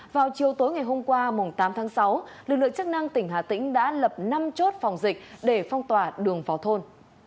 vào chiều tối ngày hôm qua tám tháng sáu lực lượng chức năng tỉnh hà tĩnh đã lập năm chốt phòng dịch để phong tỏa đường vào thôn